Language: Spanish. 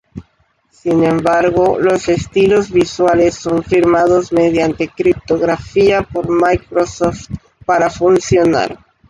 Sin embargo, los estilos visuales son firmados mediante criptografía por Microsoft para funcionar.